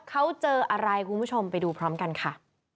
เขาเจออะไรคุณผู้ชมไปดูพร้อมกันค่ะ